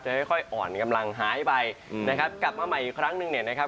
ค่อยอ่อนกำลังหายไปนะครับกลับมาใหม่อีกครั้งหนึ่งเนี่ยนะครับ